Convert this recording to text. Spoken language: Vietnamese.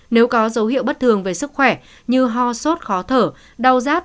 nếu có dấu hiệu bất thường về sức khỏe như ho sốt khó thở đau rát